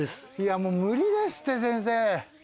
大木：もう無理ですって、先生。